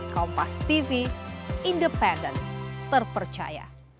kompas tv independen terpercaya